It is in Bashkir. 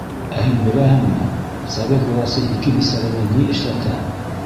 Ә һин беләһеңме, Совет власы ике бисәлене ни эшләтә?